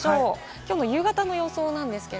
きょうの夕方の予想です。